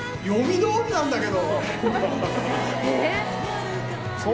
どおりなんだけど。